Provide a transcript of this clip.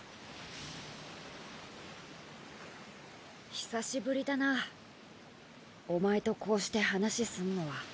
久しぶりだなお前とこうして話すんのは。